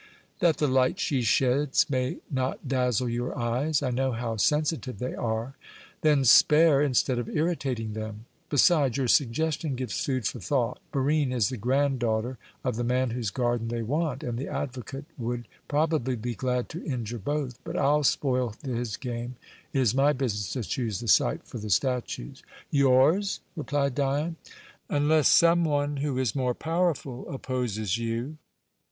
"That the light she sheds may not dazzle your eyes. I know how sensitive they are." "Then spare, instead of irritating them. Besides, your suggestion gives food for thought Barine is the granddaughter of the man whose garden they want, and the advocate would probably be glad to injure both. But I'll spoil his game. It is my business to choose the site for the statues." "Yours?" replied Dion. "Unless some one who is more powerful opposes you.